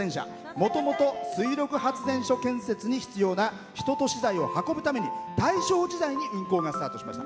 もともと水力発電所建設に必要な人と資材を運ぶために大正時代に運行がスタートしました。